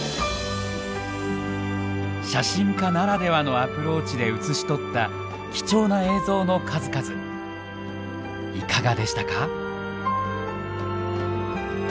写真家ならではのアプローチで映し取った貴重な映像の数々いかがでしたか。